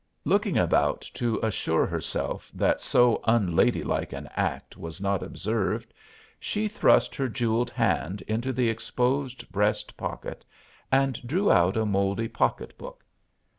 Looking about to assure herself that so unladylike an act was not observed, she thrust her jeweled hand into the exposed breast pocket and drew out a mouldy pocket book.